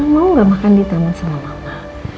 mau gak makan di taman sama bapak